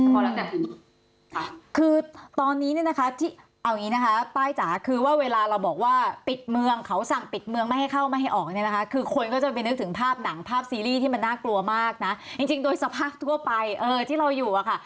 พอแล้วเนี่ยคือตอนนี้เนี่ยนะคะที่เอาอย่างนี้นะคะป้ายจ๋าคือว่าเวลาเราบอกว่าปิดเมืองเขาสั่งปิดเมืองไม่ให้เข้าไม่ให้ออกเนี่ยนะคะคือคนก็จะไปนึกถึงภาพหนังภาพซีรีส์ที่มันน่ากลัวมากนะจริงโดยสภาพทั่วไปที่เราอยู่อะค่ะ